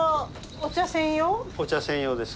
お茶専用です。